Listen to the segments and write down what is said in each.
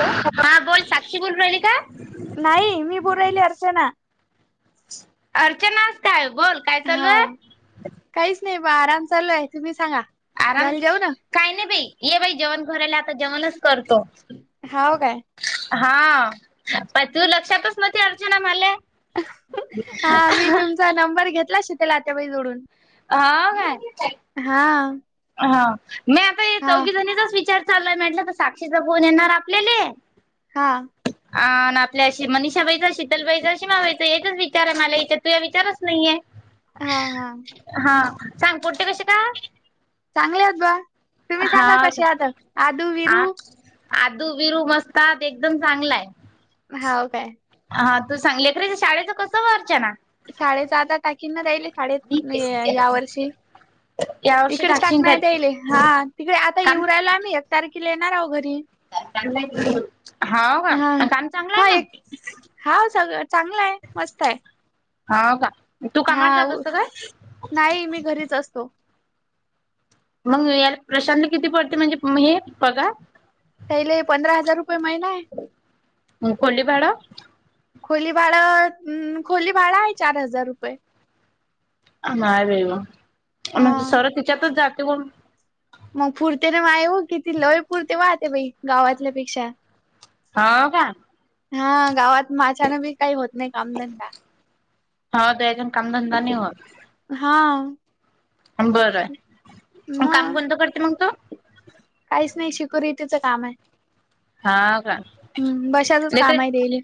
Hello हा बोल साक्षी बोलू राहिली का नाही मी बोलायली अर्चना. अर्चनाच काय बोल. काय हा चालू आहे काहीच नाही बा, आराम चालू आहे तुम्ही सांगा झाल जेवण. काही नाही बाई ये बाई जेवण करायला आता जेवणच करतो. हाव काय? हा प तू लक्षातच नती अर्चना मले. हा मी तुमचा नंबर घेतला शितेेल आतबाई कडून. हा काय? हा. हा. मी आता हा चौघ जणीचाच विचार चाललाय म्हटलं तर साक्षीचा फोन येणार आपल्याले. हा. अ आपल्या अशी मनषाबाईचं, शतलबाईचां, शिमावायचा एकच विचार आहे मला इथं. तु या विचारच नाहीये. हा हा हा. सांग पुटते कसे का? चांगलेत ब. तुम्ही हा सांगा कसे हात? आता आदू, विरू. आठ आदू, बिरू मस्तात एकदम चांगलाय. हाव काय? हा तू सांग लेकरचे शाळेचं कसं व अर्चना? शाळेचं आता टाकींना जायले शाळेत या वर्षी. या वर्षी इकडेच टाकशील काय टाकण्यात यायले. हा तिकडे आता काम? येऊ राहिलो आम्ही एक तारखेला आहो घरी. हा हा आता आम्ही चांगला हावना. हाव सगळ चांगलं आहे. मस्त आहे. हाव का. तू कामाात हा जात असत काय? नाही मी घरीच असतो. मग याला प्रशांत किती पडते म्हणजे हे पगार? त्याले पंधरा हजार रुपये महिना आहे. मग कोळी भाडं. खोली भाड खोली भाडं आहे चार हजार रुपये. नाही हा बाग सर तिच्यातच जाते हुन. मग पुरते ना मा हो कि ती लय पुरते वाहते बाई गावातल्या पेक्षा. हाव का? हा‌. गावात माझ्यानं बी काही होत नाही कामधंदा. हा. तुझ्यातून कामधंदा नाही होत. हा. बरं आहे. मग काम कोणत करते मग तो. काहीच नाही शिकुरीतीचं काम हाय. हा का हम्म. बशातच लेकरे काम आहे ते.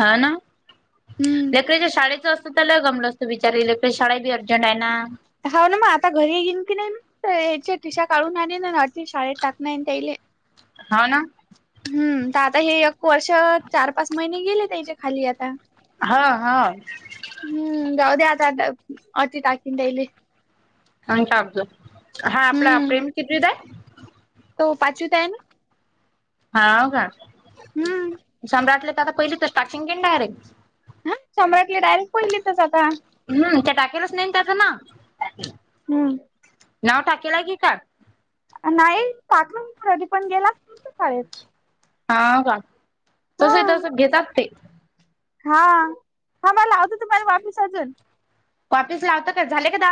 हा ना. हम्म लेकराच्या शाळेचं असतं तरला गमलं असतो बिचारी लकड शाळा बी अर्जंट आहे ना. हा ना म आता घरी येईन की नाही मग. तर याच्या टिशा काढून आण ना अ शाळेत टाकणार त्याले. हा ना. हम्म. तर आता हे एकक वर्ष चार-पाच महिने गेले त्याच्या खाली आता. हो हो. हम्म. गवद्या आता अतीत हाकिनईली. अन टाकतो. हा आपला हम्म प्रेम कितीलीत आहे? तो पाचवीत आहे ना. हा का‌. हम्म सम्राटले तर आता पहिले तर स्टाचिंगनडायरे. हा सम्राट ले डायरेक्ट पहिली तच आता. हम्म. त्या टाकलच नाही त्याचं नाव. हम्म नाव टाकेला की का? नाही टाकलं. पण गेलास नतो शाळेत. हा का. हा तस तस घेतात ते. हा. हा मला लावतो तुम्हाला वापिस अजून. वापीस लावते का? झाले का?